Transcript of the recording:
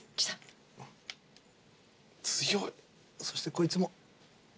そしてこいつも。